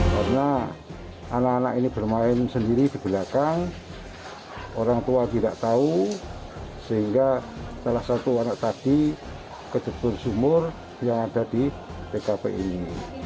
karena anak anak ini bermain sendiri di belakang orang tua tidak tahu sehingga salah satu anak tadi kejepur sumur yang ada di pkb ini